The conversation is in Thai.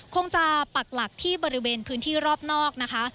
คงจะปักหลักที่บริเวณพื้นที่รอบนอกนะคะ